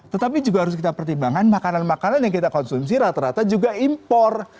tetapi juga harus kita pertimbangkan makanan makanan yang kita konsumsi rata rata juga impor